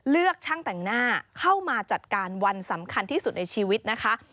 เลือกช่างแต่งหน้าเข้ามาจัดการวันสำคัญที่สุดในชีวิตนะคะ